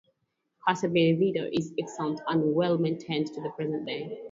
Casa Bienvenida is extant and well maintained to the present day.